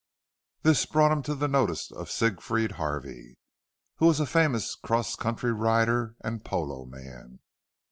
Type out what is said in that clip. This brought him to the notice of Siegfried Harvey, who was a famous cross country rider and "polo man."